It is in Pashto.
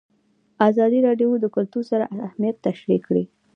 ازادي راډیو د کلتور ستر اهميت تشریح کړی.